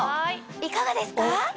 いかがですか？